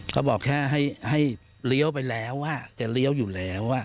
เขาบอกแค่ให้เลี้ยวไปแล้วจะเลี้ยวอยู่แล้ว